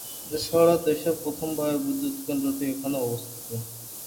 এছাড়াও দেশের প্রথম বায়ু বিদ্যুৎ কেন্দ্রটি এখানে অবস্থিত।